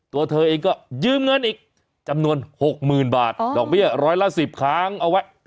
ตัวเธอเองก็ยืมเงินอีกจำนวน๖๐๐๐บาทดอกเบี้ยร้อยละ๑๐ค้างเอาไว้